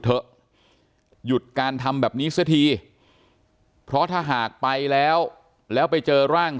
เถอะหยุดการทำแบบนี้เสียทีเพราะถ้าหากไปแล้วแล้วไปเจอร่าง